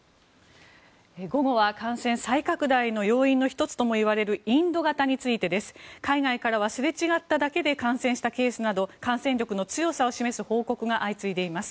午後は、感染再拡大の要因の１つともいわれるインド型についてです。海外からはすれ違っただけで感染したケースなど感染力の強さを示す報告が相次いでいます。